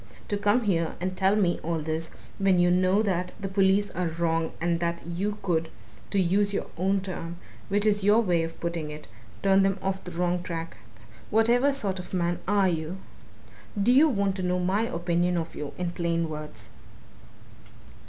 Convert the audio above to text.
to come here and tell me all this when you know that the police are wrong and that you could to use your own term, which is your way of putting it turn them off the wrong track? Whatever sort of man are you? Do you want to know my opinion of you in plain words?"